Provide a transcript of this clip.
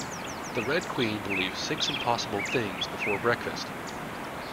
The Red Queen believed six impossible things before breakfast